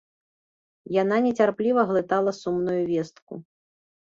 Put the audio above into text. Яна нецярпліва глытала сумную вестку.